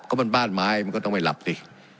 ก็มันบ้านไม้มันก็ต้องไปหลับสิ